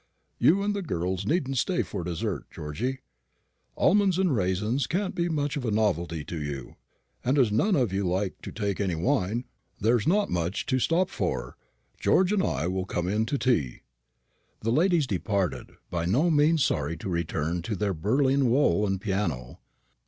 You and the girls needn't stay for dessert, Georgy. Almonds and raisins can't be much of a novelty to you; and as none of you take any wine, there's not much to stop for. George and I will come in to tea." The ladies departed, by no means sorry to return to their Berlin wool and piano.